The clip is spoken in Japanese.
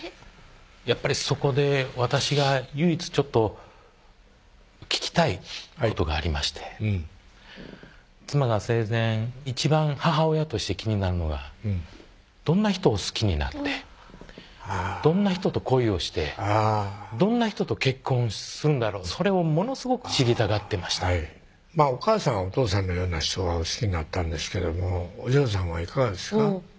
やっぱりそこで私が唯一ちょっと聞きたいことがありましてうん妻が生前一番母親として気になるのがどんな人を好きになってどんな人と恋をしてどんな人と結婚するんだろうそれをものすごく知りたがってましたお母さんはお父さんのような人が好きになったんですけどもお嬢さんはいかがですか？